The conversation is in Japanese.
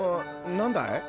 何だい？